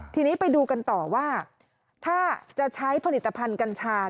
ทีนี้ไปดูกันต่อว่าถ้าจะใช้ผลิตภัณฑ์กัญชา